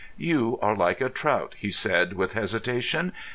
"You are like a trout," he said, with hesitation.